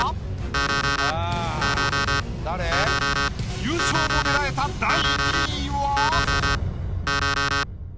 優勝も狙えた第２位は？